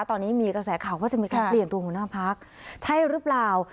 ตอนนี้มีกระแสข่าวว่าจะมีการเปลี่ยนตัวหัวหน้าพักใช่หรือเปล่า